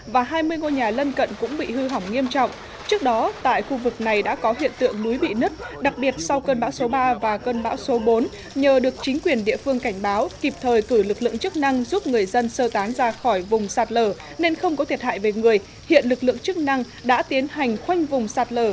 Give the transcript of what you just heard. sau hoàn lưu cơn bão số ba và số bốn trên địa bàn tỉnh yên bái có hàng nghìn hộ dân bị ảnh hưởng